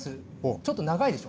ちょっと長いでしょ。